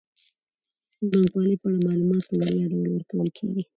د انلاین بانکوالۍ په اړه معلومات په وړیا ډول ورکول کیږي.